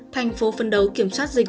thành phố phấn đấu kiểm soát dịch